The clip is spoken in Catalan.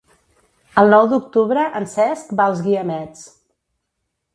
El nou d'octubre en Cesc va als Guiamets.